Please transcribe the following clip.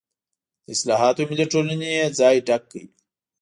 د اصلاحاتو ملي ټولنې یې ځای ډک کړ.